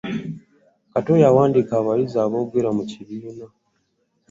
Kato y'awandika abayizi abogera mu kibiina.